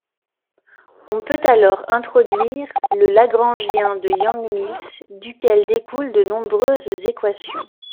On peut alors introduire le lagrangien de Yang-Mills, duquel découlent de nombreuses équations.